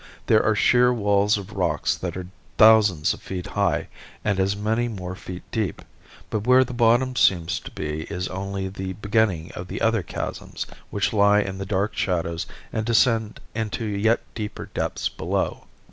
There are sheer walls of rocks that are thousands of feet high and as many more feet deep, but where the bottom seems to be is only the beginning of other chasms which lie in the dark shadows and descend into yet deeper depths below.